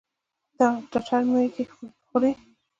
تتر ميږي خوري.